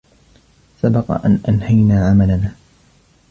سبق أن أنهينا عملنا.